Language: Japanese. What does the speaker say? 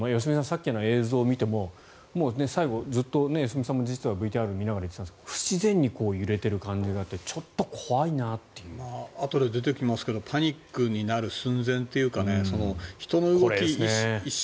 さっきの映像を見ても最後、ずっと良純さんもＶＴＲを見ながら言っていたんですが不自然に揺れてる感じがあってあとで出てきますけどパニックになる寸前というか人の動きが。